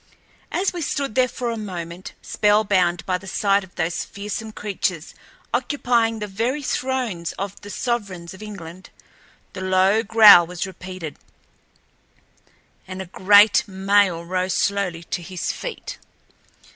As we stood there for a moment, spellbound by the sight of those fearsome creatures occupying the very thrones of the sovereigns of England, the low growl was repeated, and a great male rose slowly to his feet.